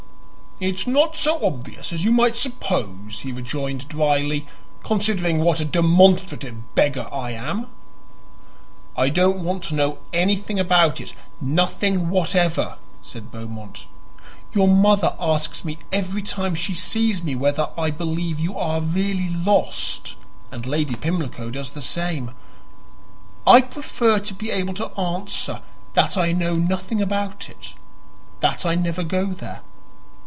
"It's not so obvious as you might suppose," he rejoined dryly, "considering what a demonstrative beggar I am." "I don't want to know anything about it nothing whatever," said Beaumont. "Your mother asks me everytime she sees me whether I believe you are really lost and Lady Pimlico does the same. I prefer to be able to answer that I know nothing about it that I never go there.